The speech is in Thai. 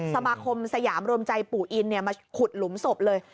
สมาคมสยามรวมใจปู่อินมาขุดหลุมศพเลย